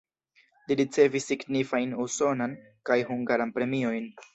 Li ricevis signifajn usonan kaj hungaran premiojn.